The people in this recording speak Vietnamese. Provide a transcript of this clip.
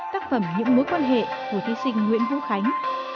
tác phẩm những mối quan hệ của thí sinh nguyễn vũ khánh